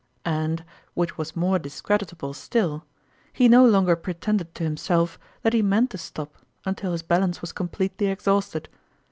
And, which was more discreditable still, he no longer pretended to himself that he meant to stop until his balance was completely ex hausted.